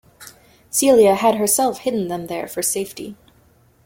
Celia had herself hidden them there for safety.